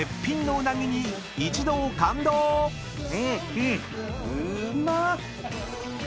うん！うーまっ！